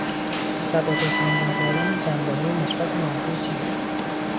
سبک و سنگین کردن جنبههای مثبت و منفی چیزی